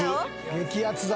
激アツだ。